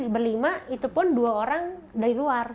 berlima itu pun dua orang dari luar